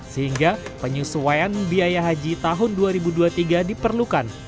sehingga penyesuaian biaya haji tahun dua ribu dua puluh tiga diperlukan